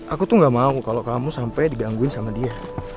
aku tuh gak mau kalau kamu sampai digangguin sama dia